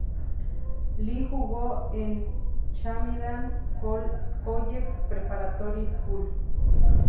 Lee jugó en "Chaminade College Preparatory School".